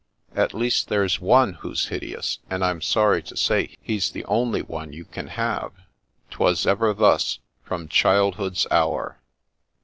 At least, there's one who's hideous, and I'm sorry to say he's the only one you can have." 'Twas ever thus, from childhood's hour.'